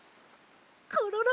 コロロ！